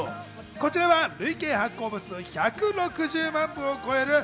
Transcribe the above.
こちらは累計発行部数１６０万部を超える